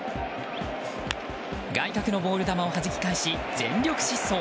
外角のボール球をはじき返し全力疾走。